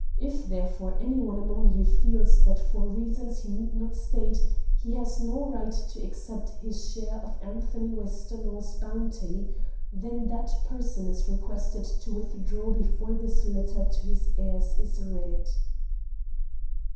If therefore, any one among you feels that for reasons he need not state, he has no right to accept his share of Anthony Westonhaugh's bounty, then that person is requested to withdraw before this letter to his heirs is read."